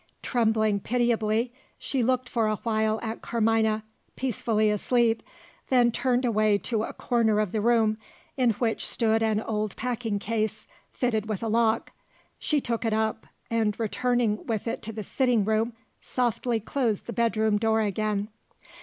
Trembling pitiably, she looked for a while at Carmina, peacefully asleep then turned away to a corner of the room, in which stood an old packing case, fitted with a lock. She took it up; and, returning with it to the sitting room, softly closed the bedroom door again.